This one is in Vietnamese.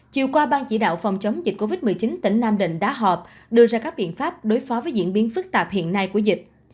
chiều qua ban chỉ đạo phòng chống dịch covid một mươi chín tỉnh nam định đã họp đưa ra các biện pháp đối phó với diễn biến phức tạp hiện nay của dịch